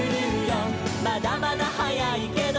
「まだまだ早いけど」